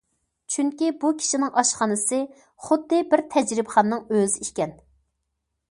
چۈنكى بۇ كىشىنىڭ ئاشخانىسى خۇددى بىر تەجرىبىخانىنىڭ ئۆزى ئىكەن.